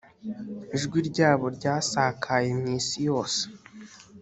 ijwi ryabo ryasakaye mu isi yose.